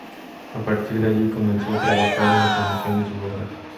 A partir de allí, comenzó a trabajar en la promoción de su obra.